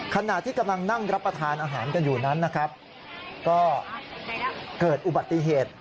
ขณะที่กำลังนั่งรับประทานอาหารกันอยู่นั้นนะครับก็เกิดอุบัติเหตุ